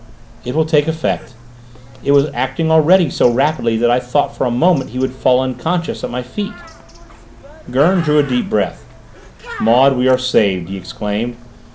"It will take effect. It was acting already: so rapidly, that I thought for a moment he would fall unconscious there, at my feet!" Gurn drew a deep breath. "Maud, we are saved!" he exclaimed.